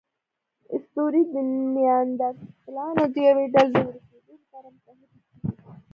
اسطورې د نیاندرتالانو د یوې ډلې د ورکېدو لپاره متحدې شوې.